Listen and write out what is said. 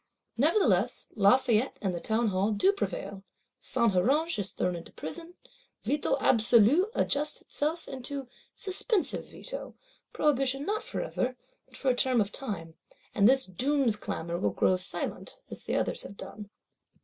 Nevertheless Lafayette and the Townhall do prevail: Saint Huruge is thrown into prison; Veto Absolu adjusts itself into Suspensive Veto, prohibition not forever, but for a term of time; and this doom's clamour will grow silent, as the others have done.